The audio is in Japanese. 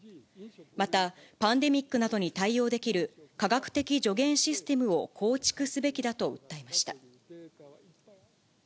また、パンデミックなどに対応できる科学的助言システムを構築すべきだと訴えました。